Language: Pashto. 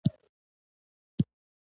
خوړل د دوبي سوړوالی زیاتوي